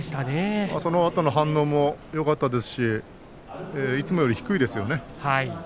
そのあとの反応もよかったですしいつもより低いですよね。